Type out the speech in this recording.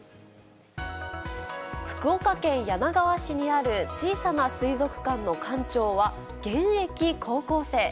福岡県柳川市にある小さな水族館の館長は現役高校生。